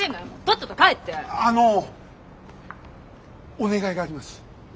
お願いがあります。